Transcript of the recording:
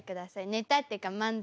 ネタっていうか漫才。